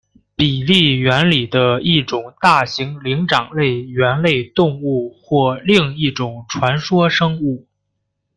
比利猿里的一种大型灵长类猿类动物或另一种传说生物。